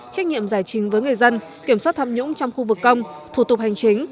trách nhiệm giải trình với người dân kiểm soát tham nhũng trong khu vực công thủ tục hành chính